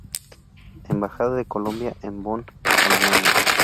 Embajada de Colombia en Bonn, Alemania.